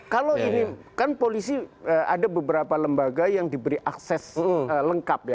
kalau ini kan polisi ada beberapa lembaga yang diberi akses lengkap ya